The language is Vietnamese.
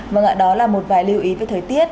vâng ạ đó là một vài lưu ý về thời tiết